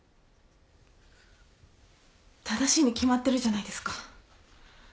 正しいに決まってるじゃないですか。